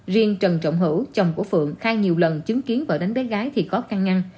riêng trần trọng hữu chồng của phượng khai nhiều lần chứng kiến vợ đánh bé gái thì có căng ngăn